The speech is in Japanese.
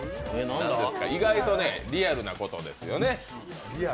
意外とリアルなことですよね。